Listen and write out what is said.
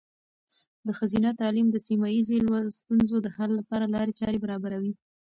د ښځینه تعلیم د سیمه ایزې ستونزو د حل لپاره لارې چارې برابروي.